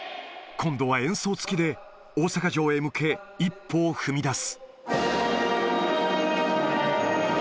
今度は演奏つきで、大阪城へ向け、一歩を踏み出す。